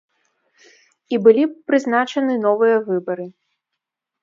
І былі б прызначаны новыя выбары.